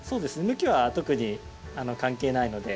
向きは特に関係ないので。